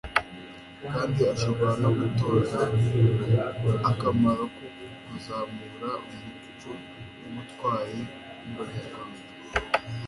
kandi ashobora no gutoza akamaro ko kuzamura umuco w'ubutwari mu banyarwanda